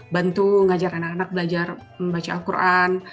bantu mengajak anak anak belajar membaca al quran